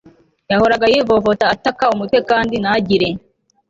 Yahoraga yivovota ataka umutwe kandi ntagire